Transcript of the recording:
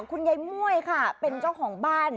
คุณยายม่วยค่ะเป็นเจ้าของบ้าน